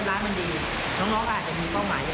เราทำอะไรได้นะครับก็มีอาชีพที่เราขาวที่